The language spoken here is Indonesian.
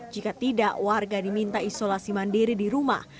jika tidak warga diminta isolasi mandiri di rumah